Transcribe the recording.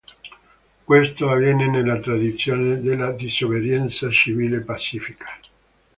Questo avviene nella tradizione della disobbedienza civile pacifica.